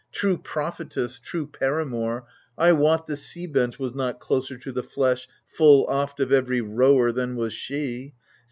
True prophetess, true paramour — I wot The sea bench was not closer to the flesh, Full oft, of every rower, than was she.